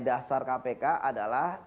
dasar kpk adalah